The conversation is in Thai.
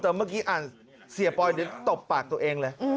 แต่เมื่อกี้อ่านเสียปอยเดี๋ยวตบปากตัวเองเลย